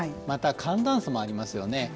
また、寒暖差もありますよね。